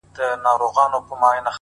د قسمت کارونه ګوره بوډا جوړ سو!!